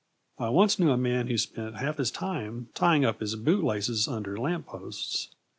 I once knew a man who spent half his time tying up his bootlaces under lamp posts.